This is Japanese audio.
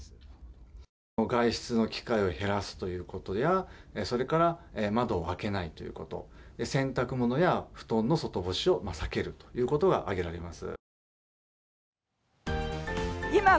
外出の機会を減らすということやそれから窓を開けないということ洗濯物や布団の外干しを避けるということが挙げられます。